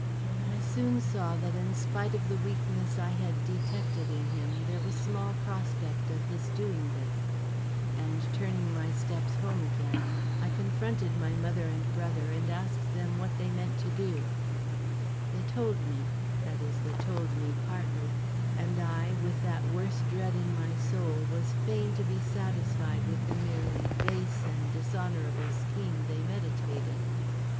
But I soon saw that in spite of the weakness I detected in him there was small prospect of his doing this; and turning my steps home again, I confronted my mother and my brother and asked them what they meant to do; they told me, that is, they told me partly; and I, with that worse dread in my soul, was fain to be satisfied with the merely base and dishonorable scheme they meditated.